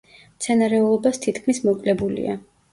მცენარეულობას თითქმის მოკლებულია.